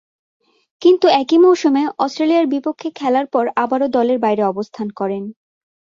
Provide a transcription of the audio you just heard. কিন্তু, একই মৌসুমে অস্ট্রেলিয়ার বিপক্ষে খেলার পর আবারও দলের বাইরে অবস্থান করেন।